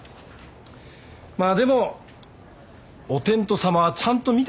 まあでもおてんとさまはちゃんと見てんじゃないの？